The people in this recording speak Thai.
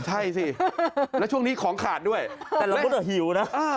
ใช่สิแล้วช่วงนี้ของขาดด้วยแต่ละมุติหิวนะ